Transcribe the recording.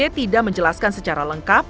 mahfud md tidak menjelaskan secara lengkap